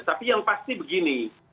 tapi yang pasti begini